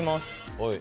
はい。